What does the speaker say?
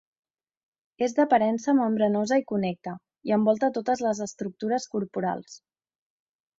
És d'aparença membranosa i connecta i envolta totes les estructures corporals.